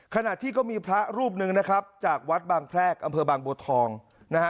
ขณะที่ก็มีพระรูปหนึ่งนะครับจากวัดบางแพรกอำเภอบางบัวทองนะฮะ